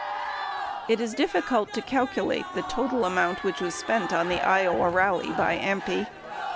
It is difficult to calculate the total amount which was spent on the Iowa rally by AMPI.